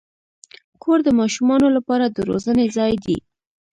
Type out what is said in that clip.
کور د ماشومانو لپاره د روزنې ځای دی.